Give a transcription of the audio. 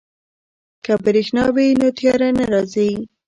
که بریښنا وي نو تیاره نه راځي.